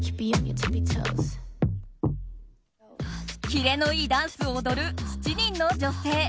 キレのいいダンスを踊る７人の女性。